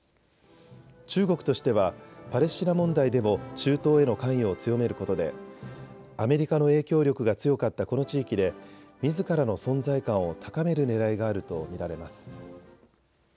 中国としてはパレスチナ問題でも中東への関与を強めることでアメリカの影響力が強かったこの地域でみずからの存在感を高めるねらいがあると見られます。